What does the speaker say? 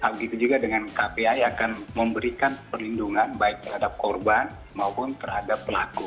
begitu juga dengan kpai akan memberikan perlindungan baik terhadap korban maupun terhadap pelaku